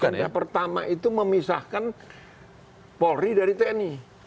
yang pertama itu memisahkan polri dari tni